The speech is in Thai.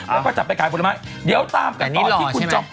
แล้วก็จะไปขายผลไม้เดี๋ยวตามกันตอนที่คุณจอม